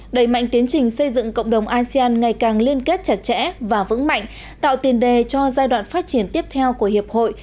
đẩy mạnh tiến trình xây dựng cộng đồng asean ngày càng liên kết chặt chẽ và vững mạnh tạo tiền đề cho giai đoạn phát triển tiếp theo của hiệp hội